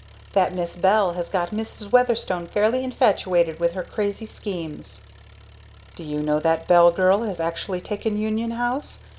"That 'Miss Bell' has got Mrs. Weatherstone fairly infatuated with her crazy schemes." "Do you know that Bell girl has actually taken Union House?